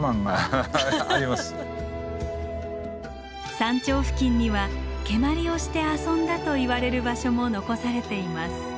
山頂付近には蹴鞠をして遊んだといわれる場所も残されています。